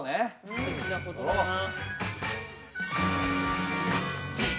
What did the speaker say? すてきな言葉だな。